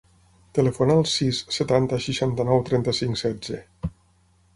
Telefona al sis, setanta, seixanta-nou, trenta-cinc, setze.